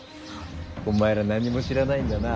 お前ら何も知らないんだな。